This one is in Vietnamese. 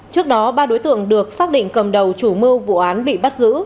trước đó ba đối tượng được xác định cầm đầu chủ mưu vụ án bị bắt giữ